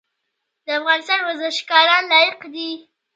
د افغانستان ورزشکاران لایق دي